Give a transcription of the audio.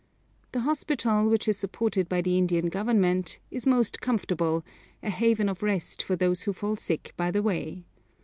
The hospital, which is supported by the Indian Government, is most comfortable, a haven of rest for those who fall sick by the way.